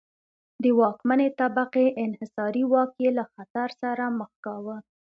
د واکمنې طبقې انحصاري واک یې له خطر سره مخ کاوه.